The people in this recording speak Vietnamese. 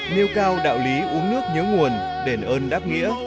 nêu cao đạo lý uống nước nhớ nguồn đền ơn đáp nghĩa